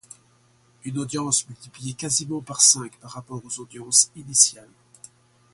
Une audience multipliée quasiment par cinq par rapport aux audiences initiales.